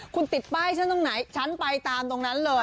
คุณติดป้ายฉันตรงไหนฉันไปตามตรงนั้นเลย